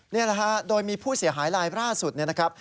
นี่แหละฮะโดยมีผู้เสียหายลายล่าสุดเนี่ยนะครับ